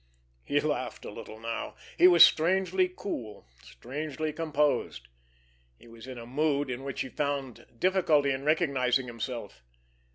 He laughed a little now. He was strangely cool, strangely composed. He was in a mood in which he found difficulty in recognizing himself.